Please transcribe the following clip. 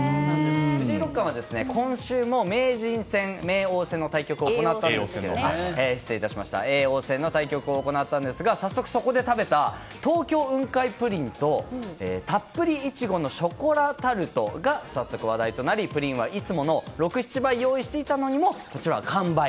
藤井六冠は今週も名人戦、叡王戦の対局を行ったんですが早速そこで食べた東京雲海プリンとたっぷり苺のショコラタルトが早速話題となりプリンは、いつもの６７倍用意したにもかかわらず完売。